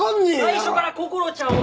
最初からこころちゃんを。